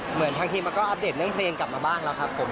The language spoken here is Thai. เหมือนทางทีมมันก็อัปเดตเรื่องเพลงกลับมาบ้างแล้วครับผม